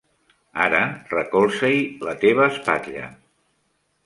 Ara recolza-hi la teva espatlla.